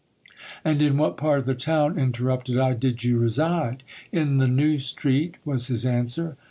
And in what part of the town, interrupted I, did you reside ? In the New Street, was his answer.